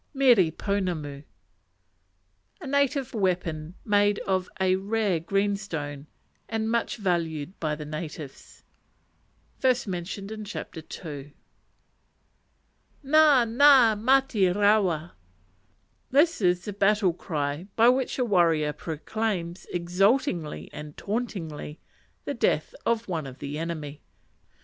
p. 3. Mere ponamu A native weapon made of a rare green stone, and much valued by the natives. p. 24. Na! Na! mate rawa! This is the battle cry by which a warrior proclaims, exultingly and tauntingly, the death of one of the enemy.